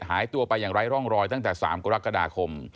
หายตัวไปอย่างไร้ร่องรอยตั้งแต่๓กรกฎาคม